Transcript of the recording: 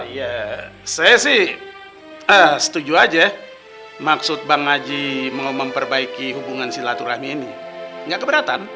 ya saya sih setuju aja maksud bang haji mau memperbaiki hubungan si latu rahmi ini gak keberatan